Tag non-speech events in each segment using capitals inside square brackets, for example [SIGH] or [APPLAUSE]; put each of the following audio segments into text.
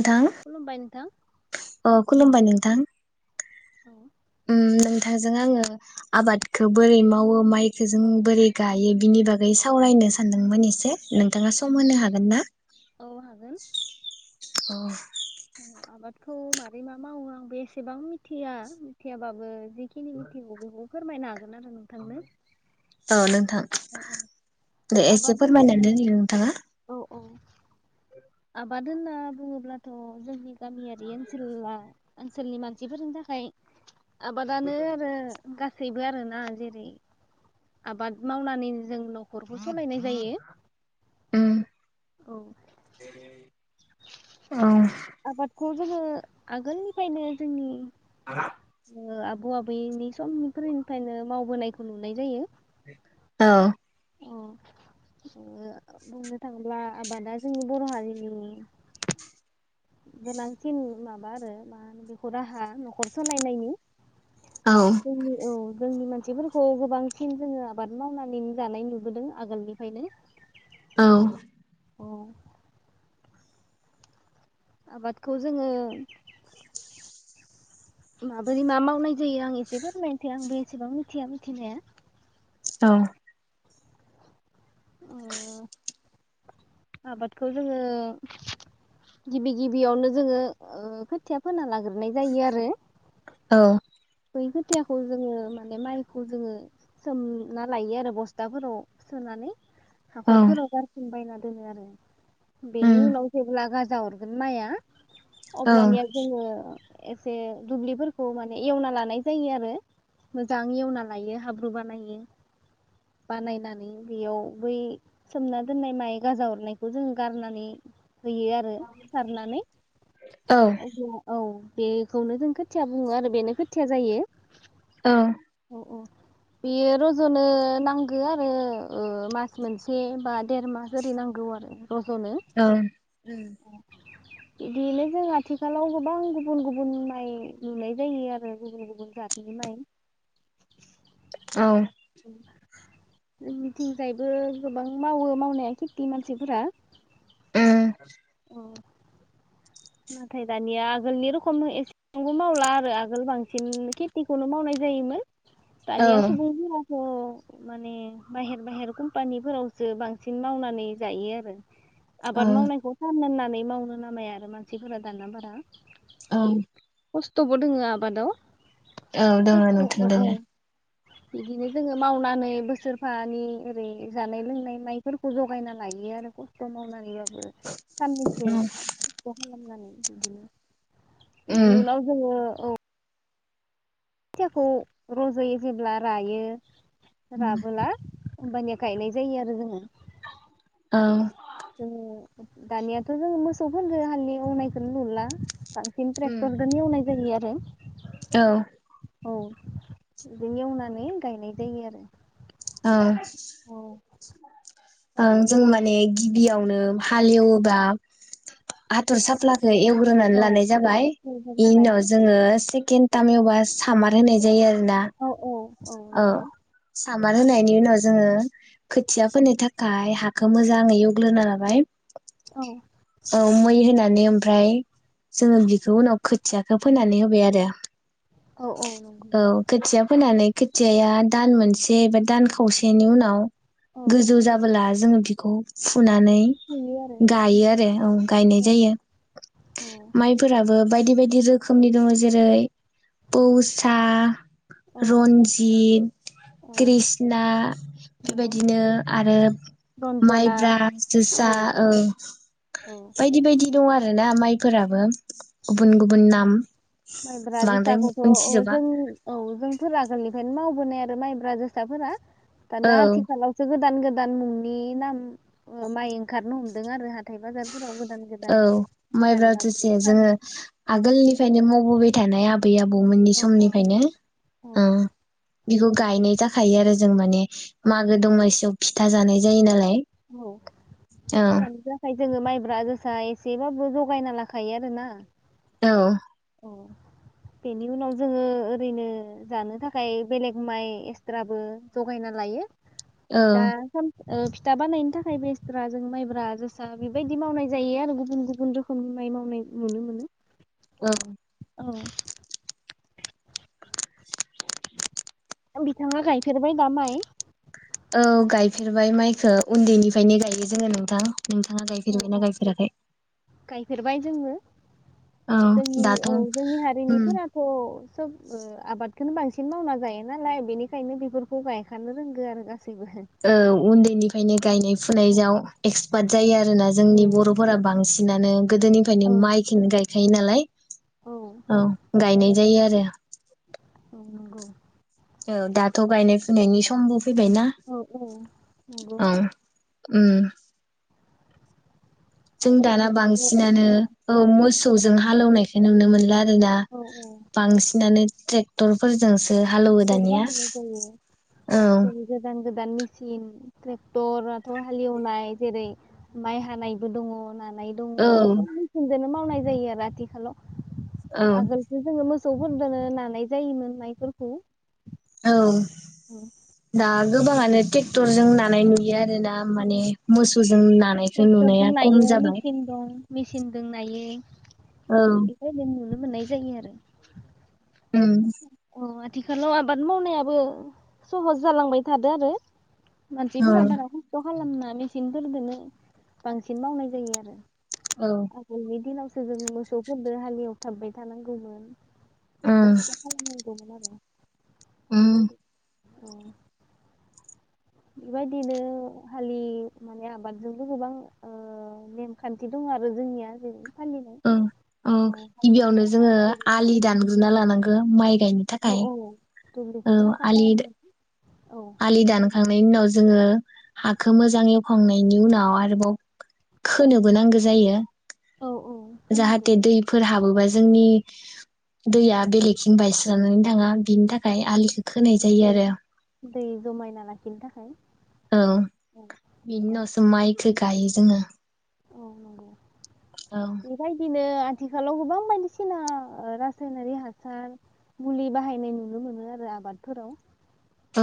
नोंथां खुलुमबाय नोंथां अ खुलुमबाय नोंथां औ उम नोंथांजों आङो आबादखौ बोरै मावो माइ खोजों औ बोरै गायोब बिनि बागै सावरायनो सानदोंमोन एसे नोंथाङा सम होनो हागोन ना? औ अह अह आबादखौ मारै मा मावो आं एसेबां मिथिया मिथियाबाबो जिखिनि मिथिगौखौ बुं। फोरमायना औ नोंथां दे आबाद एसे होनना फोरमायनानै हो। नोंथाङा औ औ आबाद होनना बुङोब्लाथ' जोंनि गामियारि ओनसोला ओनसोलनि मानसिफोरनि थाखाय आबादानो आरो गासैबो आरो ना जेरै आबाद मावनानैनो जों न'खरखौ खामायनाय जायो। उम औ औ आबादखौ जोङो आगोलनिफ्रायनो जोंनि ह [UNINTELLIGIBLE] आबौ आबैनि समनिफोरनिफायनो मावबोनायखौ नुनाय जायो। औ। अह ओ बुंनो थांब्ला आबादा जोंनि बर' हारिनि गोनांसिन माबा आरो मा होनो बेखौ राहा न'खर सलायनायनि। औ जोंनि औ। जोंनि मानसिफोरखौ गोबांसिन जोङो आबाद मावनानैनो जानाय नुबोदों आगोलनिफ्रायनो। औ। औ। आबादखौ जोङो माबोरै मा मावनाय जायो आं एसे फोरमायनोसै आं बे एसेबां मिथिया मिथिनाया। औ। अह आबादखौ जोङो गिबि गिबियावनो जोङो ओ खोथिया फोना लाग्रोनाय जायो आरो। द [UNINTELLIGIBLE] बै खोथियाखौ जोङो माने माइखौ जोङो सोमना लायो आरो बस्थाफोराव सोनानै औ हाखरफोराव गारसोमबायना दोनो आरो, बेनि उम उनाव जेब्ला गाजा हरगोन माइआ औ अब्लानिया जोङो एसे दुब्लिफोरखौ माने एवना लानाय जायो आरो मोजां एवना लायो हाब्रु बानायो बानायनानै बेयाव बै सोमना दोननाय माइ गाजा अरनायखौ जों गारनानै होयो आरो सारनानै औ औ बेखौनो जों खोथिया बुङो आरो बेनो खोथिया जायो ओ औ बेयो रज'नो नांगो आरो ओ मास मोनसे बा देर मास ओरै नांगौ आरो औ बिदियैनो जों आथिखालाव गोबां गुबुन गुबुन माइ नुनाय जायो आरो बे गुबुन गुबुन जाथनि माइ औ जोंनि थिंजायबो गोबां मावो मावनाया खेथि मानसिफोरा उम औ नाथाय दानिया आगोलनि रखम एसेबांबो मावला आरो आगोल बांसिन खेथिखौनो मावनाय जायोमोन औ दानिया सुबुंफोराबो माने बाहेर बाहेर कम्पानिफोरावसो बांसिन मावनानै जायो आरो औ आबाद मावनायखौ फाननो ना नै मावनो नामाया आरो मान सिफोरा दाना बारा औ खस्थ'बो दङ आबादाव औ दोङो खस्थ' औ नोंथां औ दोङो बिदिनो जोङो मावनानै बोसोरफानि ओरै जानाय लोंनाय माइफोरखौ जगायना लायो आरो खस्थ' मावनानैबाबो साननैसो उम खस्त खालामनानै बिदिनो उम इयुनाव जोङो औ खोथियाखौ रज'यो जेब्ला रायो उम राबोला होम्बानिया गायनाय जायो आरो जोङो ओ जोङो दानियाथ' जोङो मोसौफोरजों हालेवनायखोनो नुला सिन उम ट्रेक्टरजोनो एवनाय जायो आरो औ जों एवनानै गायनाय जायो आरो ओ ओं जों माने गिबियावनो औ हालेवबा आथर सप्ला एवग्रोनानै औ लानाय जाबाय बे फोग्रोना लायो उनाव जोङो केनथामावा सामार होनाय जायो। ना औ औ औ नंगौ सामार होनायनि उनाव जोङो खोथिया फोनो थाखाय हाखौ मोजाङै एवग्लोना लाबाय औ औ मै होनानै ओमफ्राय जोङो बिखौ उनाव खोथियाखौ फोनानै होबाय आरो औ औ नंगौ औ खोथिया फोनानै खोथियाया दान मोनसे एबा दान खावसेनि उनाव औ गोजौ जाबोला जोङो बिखौ फुनानै फुयो आरो गायो आरो औ गायनाय औ जायो औ माइफोराबो बायदि बायदि रोखोमनि दङ जेरै पौसा औ रनजि जि औ कृषना नंगौ बेबायदिनो आरो रन्जना माइब्रा जोसा औ औ बायदि बायदि दं आरो ओ ना माइफोराबो। गुबुन गुबुन औ नाम माइब्रा गोखा बांद्राय खौथ' अ मिथिजोबा जों औ जोंफोर आगोलनि। बेखायनो मावबोनाय आरो माइब्रा जोसाफोरा। औ दाना आथिखालावसो गो गोदान गोदान मुंनि नाम ओ माइ ओंखारनो हमदों आरो हा हाथाइ बाजारफोराव गोदान गोदान औ बिधान माइब्रा लाबोयो जोसाया जोङो फानो। औ आगोलनिफ्रायनो मावबोबाय थानाय आबै। आबौ मोननि औ औ समनिफ्रायनो औ ओ बेखौ गायनाय जाखायो आरो जों माने। औ मागो दमासियाव। फिथा जानाय जायो नालाय। औ औ फिथानो जाखायो। जोङो माइब्रा जोसा एसेबाबो जगायना लाखायो आरो ना। औ। औ बेनि उनाव जोङो ओरैनो जानो थाखाय बेलेग माइ एक्सट्राबो जगायना लायो। औ दा साम ओ फि था बानायनो थाखाय बेसरा जों माइब्रा जोसा बेबायदि मावनाय जायो आरो गुबुन गुबुन रोखोमनि माइ मावनाय नुनो मोनो। औ। औ। बिथाङा गायफेरबाय दा माइ। औ गायफेरबाय माइखौ उन्दैनिफ्रायनो गायो जोङो नोंथां। नोंथाङा औ गायफेरबायना औ गायफेराखै? गायफेरबाय जोङो औ जोंनि दाथ' औ जोंनि उम हारिनिफोराथ' सोब आबाद। बेखोनो बांसिन मावना जायो नालाय बेनिखायनो बेफोरखौ गायखानो रोंगौ आरो गासै। औ उन्दैनि। माने गायनाय औ फुनायाव एक्सपार्ट जायो आरो ना औ जोंनि बर'फोरा बांद्राय। सिनानो गोदोनिफ्रायनो औ माइ खिनो गाय थायो नालाय औ गायनाय जायो आरो। औ नंगौ औ दाथ' गायनाय फुनायनि समबु फैबायना औ औ नंगौ ओं उम जों दाना बांसिनानो औ मोसो मोसौजों हालौनायखौ नुनो मोनला आरोना औ औ बांसिनानो ट्रेक्टरफोर जोंसो ट्रेकटर बाहायनाय जायो औ बिदिनो गोदान -गोदान मि -चिन ट्रेक्टराथ' हालेवनाय जेरै माइ हानायबो दङ होननानै नाय दङो औ सब मिसिन नो मावनाय जायो आरो औ आथिखालाव। आगोलथ जोङो मोसौ मोसौफोरदोनो नानाय जायोमोन मायफोर खौ औ दा गोबाङानो ट्रेक्टर जों नानाय नुयो -यो आरो ना माने मोसौ जों ट्रेक्टर जों नायो मेचिन दं मेसिन दों नायो। औ बे बायदि नों नुनो मोनो मोननाय जायो आरो। अम। औ आथिखालाव आबाद मावनायाबो सहस जालांबाय थादों आरो औ मानसिफोरा बारा खस्थ' खालामना मेसिनफोरजोंोनो बांसिन मावनाय जायो आरो। औ आगोलनि दिनाव जों सो जोङो मोसौफोरजों हलिेव थाबबाय थानांगौमोन। अम। नांगौमोन आरो। बेबायदि औ। बेबायदिनो हालि माने आबादजोंबो गोबां नेमखान्थि दं आरो जोंनिया जेरै फालिनाय औ-औ औ हाल गिबियावनो जांख्रा जोङो जेरै आलि दानग्रोनना लानांगौ गो माइ गायनो थाखाय। औ थंलिखौ साफा आलि खालामनो औ आलि दानखांनायनि उनाव जोङो हाखौ मोजां एवखांनायनि उनाव आरोबाव खोनोबो नांगौ जायो औ औ होनांगौ जाहाथे दैफोर हाबा जोंनि दैया बेलेगथिं बायस्र जानानै थाङा बिनि थाखाय ओमफ्राय आलिखौ औ खोनाय जायो आरो दै जमायना लाखिनो थाखाय औ औ बिन नंगौ सम बेखौ गायो जोङो औ नंगौ औ बेबायदिनो आथिखालाव गोबां बायदिसिना रासायनारि हासार मुलि बाहायनाय नुनो मोनो आरो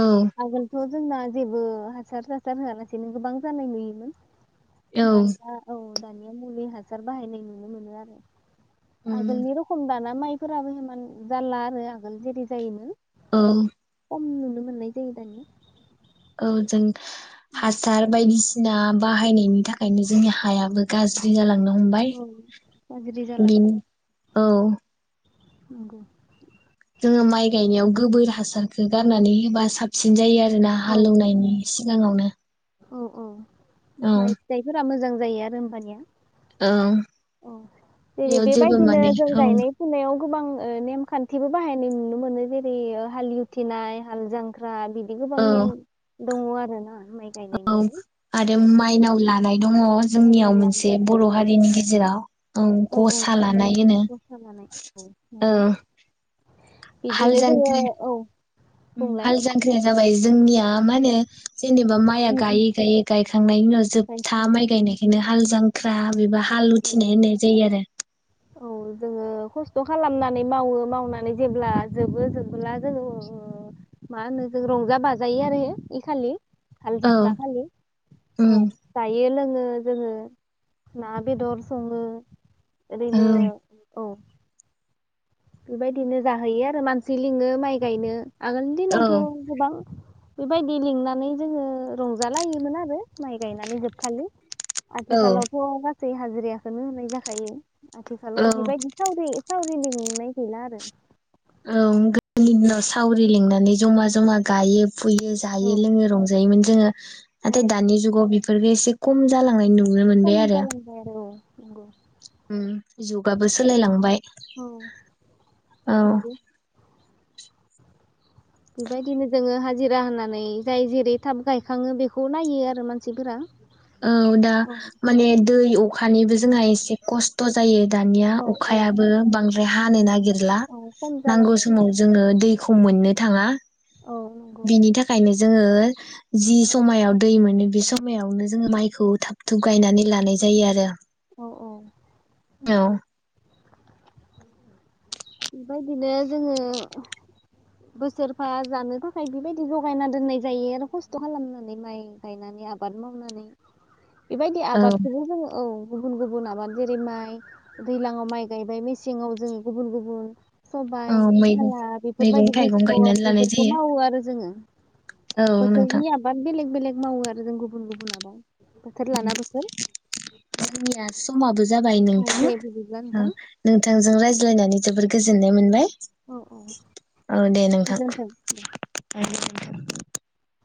औ आगोलथ जोंना जेबो हासार हासार होआलासेनो गोबां जानाय नुयोमोन औ दान्दा औ दान मुलि हास हासार बाहायनाय नुनो मोनो आरो उम आगोलनिर खम दाना माइफोराबो हमान जारला आरो आगोल जेरै जायोमोन औ खम नुनो मोननाय जायो दानिया औ जां हासार बायदिसिना बाहायनायनि थाखायनो जोंनि हायाबो गाज्रि जालांनो हमबाय औ गाज्रि जालाङो बिनो औ। नंगौ। जोङो माइ गायनायाव गोबोर हासारखौ गारनानै होबा साबसिन जायो आरो। आरो औ हालेवनायनि सिगाङावनो। औ औ। औ माइ फिथाइफोरा मोजां जायो आरो होमबानिया। औ। जेरै बेयाव जेबो बेबायदिनो माने जों औ गायनाय फुनायाव गोबां नेमखान्थिबो बाहायनाय नुनो मोनो जेरै हालवथिनाय हाल जांख्रा बिदि गोबां नेम दङ आरोना। माइ औ गायनायनियाबो आरो औ माइनाव ला दङ जोंनियाव फाइनाव मोनसे लानाय बर' औ हारिनि गेजेराव औ औ गसा लानाय गसा लानाय नंगौ होनो। हाल बिदिनो जोङो जांख्रि औ बुंलाय हाल जांख्रिया जाबाय जोंनिया मा माने जेनेबा माइआ उम उम गायै गायै गायखांनायनि उनाव जोबथा माइ गायखांनानै गायनायखायनो हाल जांख्रा बेबा हाल औ उथिनाय होननाय जायो आरो। औ जोङो खस्थ' खालामनानै मावो मावनानै जेब्ला जोबो जोबोला जोङो मा होनो जों रंजा बाजायो आरो इ खालि हाल औ जांख्रा खालि औ उम जायो लोङो ओ जोङो ना बेदर सङो औ ओरैनो औ। बेबायदिनो जाहैयो आरो मानसि लिङो माइ गायनो आगोल औ दिनावथ' गोबां बेबायदि लिंनानै जोङो रंजालायोमोन आरो माइ गायनानै जोबखालि औ आथिखालावथ' मानसै हाजिरखौनो होनाय जाखायो। आथिखालाव औ बेबायदि सावरि सावरि लिंनाय गैला आरो। औ गोदोनि दिनाव सावरि लिंनाय मनै जमा जमा गायो फुयो औ जायो लोङो रंजायोमोन जोङो औ नाथाय दानि जुगाव बेफोरखौ एसे खम जालांनाय नुदों। खम जालांबाय आरो औ। नंगौ उम जुगाबो सोलायलांबाय। औ औ बेबायदिनो जोङो हाजि हाजिरा होनानै जाय जेरै थाब गायखाङो बेखौ नायो आरो मानसिफोरा‌। औ दा माने दै अ अखानिबो जोंहा एसे खस्थ' जायो दानिया औ औ अखायाबो बां हानि नागिर नागिरला औ खम नांगौ जालांबाय समाव जोङो दै खम मोननो थाङा औ नंगौ बिनि थाखायनो जोङो जि समायाव दै मोनो बे समायावनो जोङो माइखौ थाब थुब गायनानै लानाय जायो आरो। अ औ नंगौ बेबायदिनो जोङो बोसोरफा जानो थाखाय बेबायदि जगायना दोननाय जायो आरो खस्थ' खालामनानै माइ गायनानै आबाद मावनानै बेबायदि औ आबादखौबो जोङो औ गुबुन गुबुन आबाद जेरै माइ दैज्लाङाव माइ गायबाय मेसेङाव जोङो गुबुन गुबुन [INAUDIBLE] सबाय औ मैगं खाला मैगं बेफोरबायदि थाइगं बेसर गायनानै लानाय बेफोरखौ जायो मावो आरो जोङो औ नोंथां बोथोरनि आबाद बेलेग बेलेग मावो आरो जों गुबुन गुबुन लाबा बोथोर लाना बोथोर। जोंनिया समाबो जाबाय औ दे बिदिब्ला नोंथां, नोंथां नोंथांजों रायज्लायनानै जोबोर गोजोननाय मोनबाय। औ औ औ दे गोजोन्थों नोंथां। [INAUDIBLE]